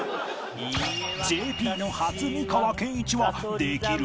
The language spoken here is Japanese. ＪＰ の初美川憲一はできる？